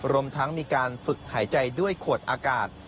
รวมทั้งมีการฝึกหายใจด้วยขวดอากาศ